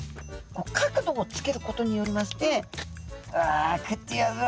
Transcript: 角度をつけることによりまして「うわ食ってやるぞ！